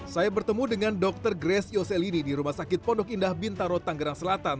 saya bertemu dengan dokter grace yoselidi di rumah sakit pondok indah bintaro tanggerang selatan